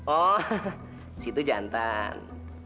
oh situ jantan